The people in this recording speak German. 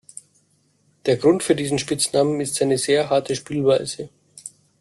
Der Grund für diesen Spitznamen ist seine sehr harte Spielweise.